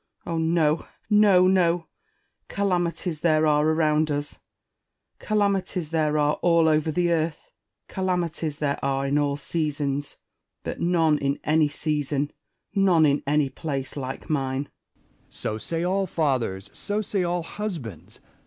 Spenser. Oh, no, no, no ! Calamities there are around us ; calamities there are all over the earth ; calamities there are in all seasons : but none in any season, none in any place, like mine. Essex. So say all fathers, so say all husbands.